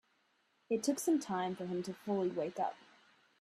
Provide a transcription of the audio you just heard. It took some time for him to fully wake up.